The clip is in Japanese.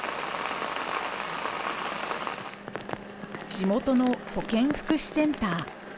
地元の保健福祉センター。